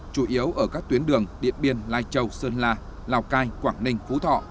chủ yếu ở các tuyến đường điện biên lai châu sơn la lào cai quảng ninh phú thọ